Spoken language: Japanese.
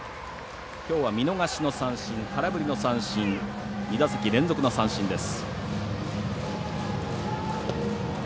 きょうは見逃しの三振空振りの三振２打席連続の三振です。